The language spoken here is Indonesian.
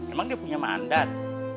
emang dia punya mandan